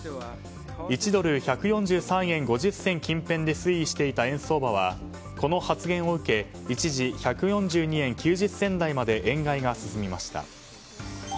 １ドル＝１４３円５０銭近辺で推移していた円相場はこの発言を受け一時１４２円９０銭台まで円買いが進みました。